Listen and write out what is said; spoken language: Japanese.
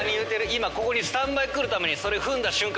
今ここにスタンバイ来るためにそれ踏んだ瞬間